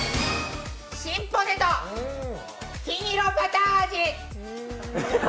シンポテト金色バター味。